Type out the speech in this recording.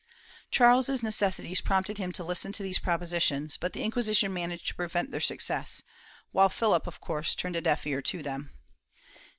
Charles's necessities prompted him to listen to these propositions, but the Inquisition managed to prevent their success, while Philip of course turned a deaf ear to them.